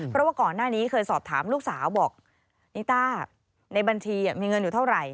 เพราะว่าก่อนหน้านี้เคยสอบถามลูกสาวบอกนิต้าในบัญชีมีเงินอยู่เท่าไหร่